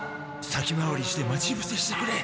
先回りして待ちぶせしてくれ。